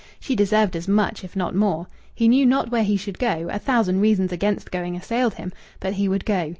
She deserved as much, if not more. He knew not where he should go; a thousand reasons against going assailed him; but he would go.